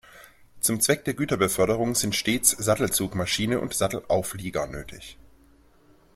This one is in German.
Zum Zweck der Güterbeförderung sind stets Sattelzugmaschine und Sattelauflieger nötig.